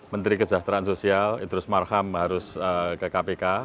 menteri kejahteraan sosial idris marham harus ke kpk